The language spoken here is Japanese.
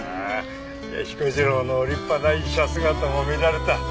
彦次郎の立派な医者姿も見られた。